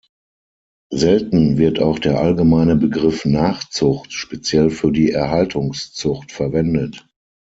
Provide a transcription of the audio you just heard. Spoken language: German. Selten wird auch der allgemeine Begriff Nachzucht speziell für die Erhaltungszucht verwendet.